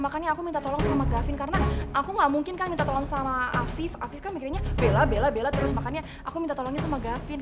makanya aku minta tolong sama gavvin